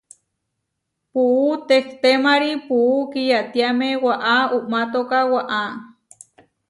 Puú tehtémari puú kiyatiáme waʼá uʼmátoka waʼá.